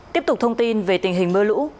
tiếp tục thông tin về tình hình mưa lũ